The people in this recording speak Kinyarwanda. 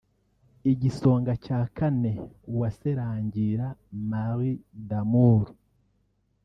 Igisonga cya Kane Uwase Rangira Marie D’Amour